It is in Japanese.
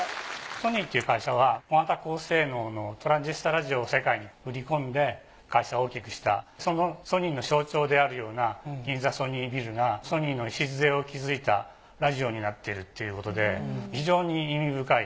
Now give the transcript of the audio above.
ソニーっていう会社は小型高性能のトランジスタラジオを世界に売り込んで会社を大きくしたそのソニーの象徴であるような銀座ソニービルがソニーの礎を築いたラジオになっているっていうことで非常に意味深い。